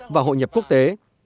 và hội nhập quốc tế